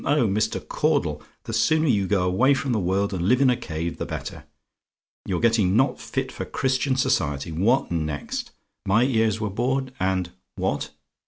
"Oh, Mr. Caudle! the sooner you go away from the world, and live in a cave, the better. You're getting not fit for Christian society. What next? My ears were bored and What?